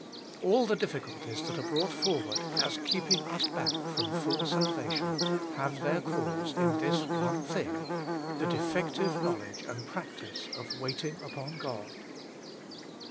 All the difficulties that are brought forward as keeping us back from full salvation, have their cause in this one thing : the defective knowledge and practice of waiting upon God.